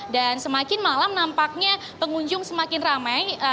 dan semakin malam nampaknya pengunjung semakin ramai